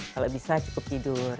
kalau bisa cukup tidur